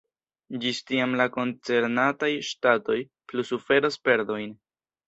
Ĝis tiam la koncernataj ŝtatoj plu suferos perdojn.